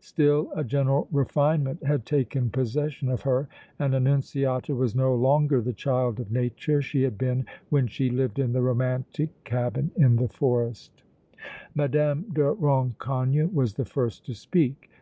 Still a general refinement had taken possession of her, and Annunziata was no longer the child of nature she had been when she lived in the romantic cabin in the forest. Madame de Rancogne was the first to speak.